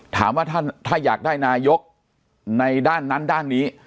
ถามว่าถ้าอยากได้นายกในด้านนั้นด้านนี้